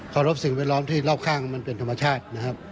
รบสิ่งแวดล้อมที่รอบข้างมันเป็นธรรมชาตินะครับ